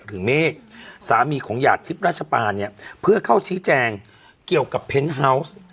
เมฆสามีของหยาดทิพย์ราชปาเนี่ยเพื่อเข้าชี้แจงเกี่ยวกับเพนฮาวส์